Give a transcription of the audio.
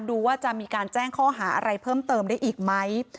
ดูว่าจะมีการแจ้งข้อหาอะไรเพิ่มเติมได้อีกไหม